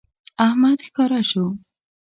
احمد ښکاره شو